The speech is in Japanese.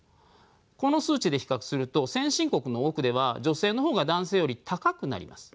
この数値で比較すると先進国の多くでは女性の方が男性より高くなります。